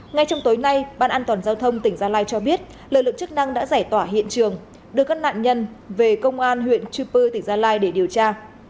ngay trong tối nay ban an toàn giao thông tỉnh gia lai cho biết lợi lượng chức năng đã giải tỏa hiện trường đưa các nạn nhân về công an huyện chư pư tỉnh gia lai để điều tra